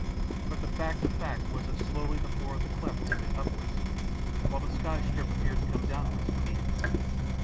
But the fact of facts was that slowly the floor of the cleft trended upwards, whilst the sky strip appeared to come downwards to meet it.